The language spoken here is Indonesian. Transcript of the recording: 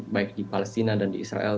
baik di palestina dan di israel